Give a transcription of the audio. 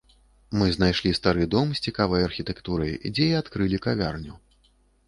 Мы знайшлі стары дом з цікавай архітэктурай, дзе і адкрылі кавярню.